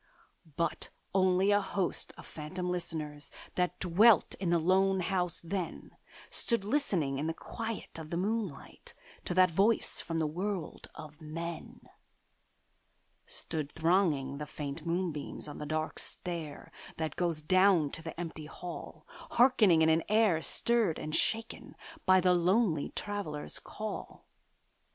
But only a host of phantom listeners That dwelt in the lone house then Stood listening in the quiet of the moonlight To that voice from the world of men: Stood thronging the faint moonbeams on the dark stair, That goes down to the empty hall, Hearkening in an air stirred and shaken By the lonely Traveller's call.